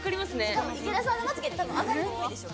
しかも池田さんのまつげって多分上がりにくいでしょう？